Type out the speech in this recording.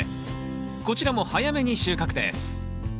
こちらも早めに収穫です